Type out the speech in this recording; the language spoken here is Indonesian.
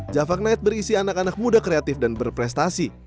java knight berisi anak anak muda kreatif dan berprestasi